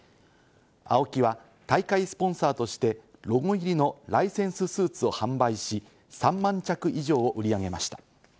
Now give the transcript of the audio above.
ＡＯＫＩは大会スポンサーとしてロゴ入りのライセンススーツを販売し、３万着以上を売り上げました。